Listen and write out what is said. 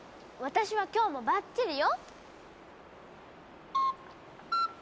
私は今日もバッチリよ。